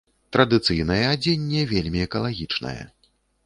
Традыцыйнае адзенне вельмі экалагічнае.